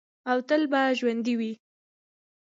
او تل به ژوندی وي.